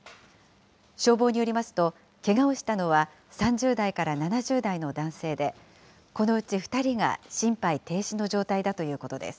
消防によりますと、けがをしたのは３０代から７０代の男性で、このうち２人が心肺停止の状態だということです。